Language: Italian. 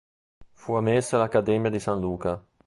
Fu ammessa all'Accademia di san Luca.